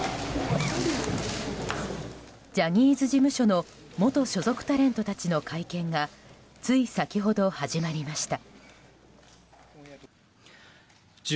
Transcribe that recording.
ジャニーズ事務所の元所属タレントたちの会見がつい先ほど始まりました。